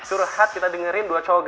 suruh hat kita dengerin dua cowok ganteng